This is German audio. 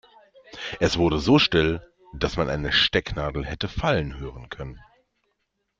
Es wurde so still, dass man eine Stecknadel hätte fallen hören können.